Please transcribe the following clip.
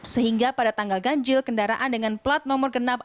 sehingga pada tanggal ganjil kendaraan dengan plat nomor genap